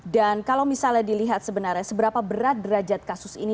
dan kalau misalnya dilihat sebenarnya seberapa berat derajat kasus ini